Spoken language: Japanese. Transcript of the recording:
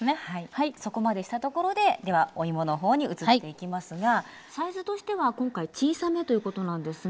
はいそこまでしたところでではおいもの方に移っていきますがサイズとしては今回小さめということなんですがこれもポイントですか？